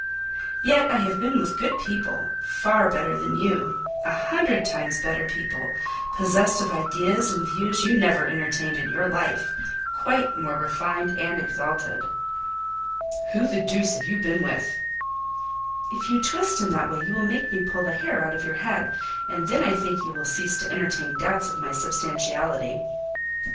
"Yet I have been with good people; far better than you: a hundred times better people; possessed of ideas and views you never entertained in your life: quite more refined and exalted." "Who the deuce have you been with?" "If you twist in that way you will make me pull the hair out of your head; and then I think you will cease to entertain doubts of my substantiality."